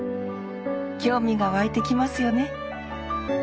興味が湧いてきますよね。